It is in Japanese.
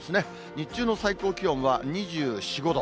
日中の最高気温は２４、５度。